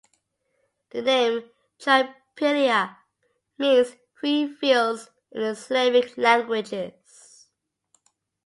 The name "Trypillia" means "three fields" in the Slavic languages.